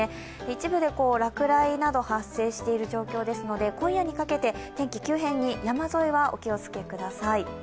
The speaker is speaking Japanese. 一部で落雷などが発生している状況ですので、今夜にかけて、天気急変に山沿いはお気をつけください。